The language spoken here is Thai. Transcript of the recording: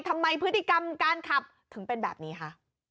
ทำไมพฤติกรรมการขับถึงเป็นแบบนี้คะ